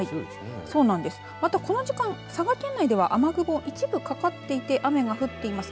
また、この時間、佐賀県内では雨雲、一部かかっていて雨が降っています。